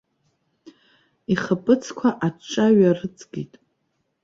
Ихаԥыцқәа аҿҿа ҩарыҵгеит.